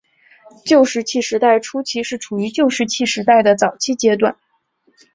旧石器时代初期是处于旧石器时代的早期阶段。